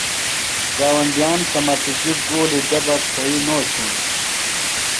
گاونڈیِان سمٹیۡ گُولیۡ دےۡ بہ پھوئی نو چُھوݨوۡ۔